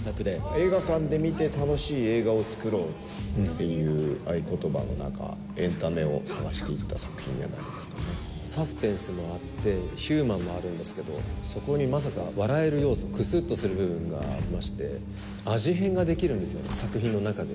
映画館で見て楽しい映画を作ろうっていう合言葉の中、エンタメをサスペンスもあって、ヒューマンもあるんですけど、そこにまさか、笑える要素、くすっとする部分がありまして、味変ができるんですよ、作品の中で。